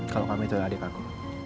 kalau kamu itu adalah adik aku